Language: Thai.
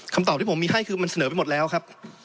ตอบที่ผมมีให้คือมันเสนอไปหมดแล้วครับ